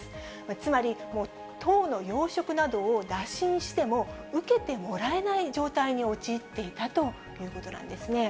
つまり、党の要職などを打診しても、受けてもらえない状態に陥っていたということなんですね。